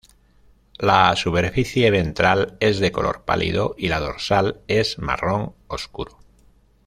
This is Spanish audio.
La superficie ventral es de color pálido y la dorsal es marrón oscuro.